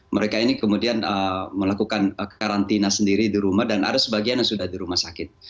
mereka ini kemudian melakukan karantina sendiri di rumah dan ada sebagian yang sudah di rumah sakit